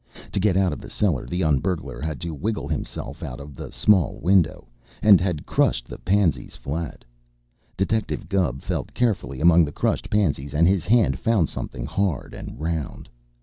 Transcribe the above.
To get out of the cellar, the un burglar had had to wiggle himself out of the small window, and had crushed the pansies flat. Detective Gubb felt carefully among the crushed pansies, and his hand found something hard and round.